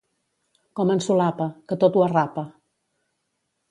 Com en Solapa, que tot ho arrapa.